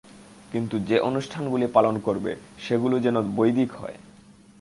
কিন্তু যে অনুষ্ঠানগুলি পালন করবে, সেগুলি যেন বৈদিক হয়।